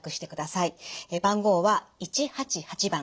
番号は「１８８」番。